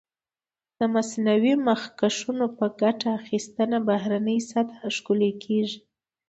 د مصنوعي مخکشونو په ګټه اخیستنه بهرنۍ سطحه ښکلې کېږي.